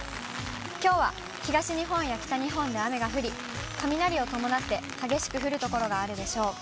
きょうは東日本や北日本で雨が降り、雷を伴って激しく降る所があるでしょう。